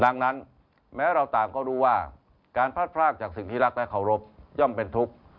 ดังนั้นแม้เราต่างก็รู้ว่าการพลาดพรากจากสิ่งที่รักและเคารพย่อมเป็นทุกข์